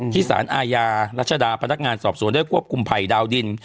สารอาญารัชดาพนักงานสอบสวนได้ควบคุมไผ่ดาวดิน